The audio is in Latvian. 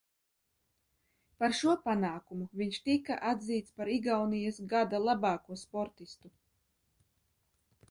Par šo panākumu viņš tika atzīts par Igaunijas Gada labāko sportistu.